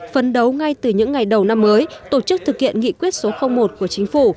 phấn đấu ngay từ những ngày đầu năm mới tổ chức thực hiện nghị quyết số một của chính phủ